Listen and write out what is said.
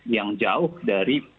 yang jauh dari